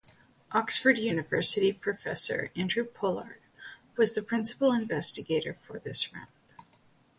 Oxford University Professor Andrew Pollard was the Principal Investigator for this round.